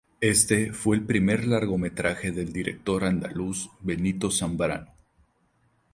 Éste fue el primer largometraje del director andaluz Benito Zambrano.